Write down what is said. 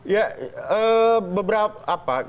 ya beberapa apa